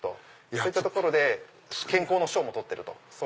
そういったところで健康の賞も取ってると。